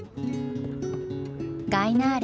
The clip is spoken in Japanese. ガイナーレ